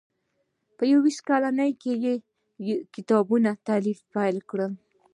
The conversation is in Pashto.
په یو ویشت کلنۍ کې یې د کتابونو تالیف پیل کړ.